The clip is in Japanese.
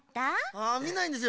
ああみないんですよ。